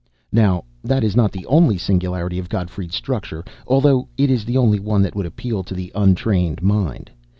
Now, that is not the only singularity of Gottfried's structure, although it is the only one that would appeal to the untrained mind.